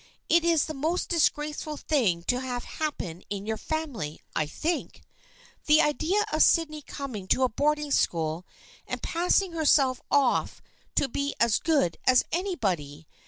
It is the most disgraceful thing to have happen in your family, I think. The idea of Sydney coming to a boarding school and passing herself off to be as good as anybody